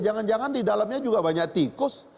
jangan jangan di dalamnya juga banyak tikus